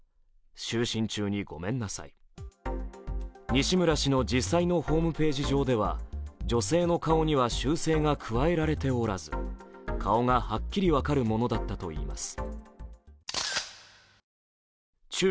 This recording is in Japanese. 西村氏の実際のホームページ上では女性の顔には修正が加えられておらず顔がはっきり分かるものだったといいます。